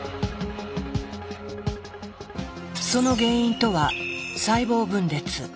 その原因とは細胞分裂。